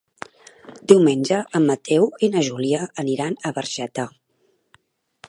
Diumenge en Mateu i na Júlia aniran a Barxeta.